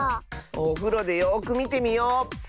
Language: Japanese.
おふろでよくみてみよう。